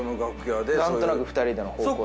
何となく２人での方向性。